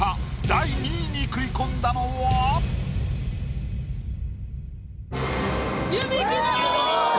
第２位に食い込んだのは⁉弓木奈於！